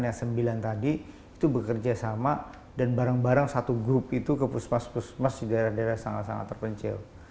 yang sembilan tadi itu bekerja sama dan barang barang satu grup itu ke puskesmas puskesmas di daerah daerah sangat sangat terpencil